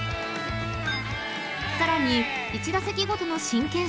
［さらに１打席ごとの真剣勝負］